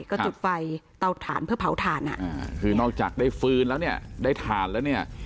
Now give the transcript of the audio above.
ก็จุดไฟเตาถ่านเพื่อเผาถ่านอ่ะอ่าคือนอกจากได้ฟื้นแล้วเนี่ยได้ถ่านแล้วเนี่ย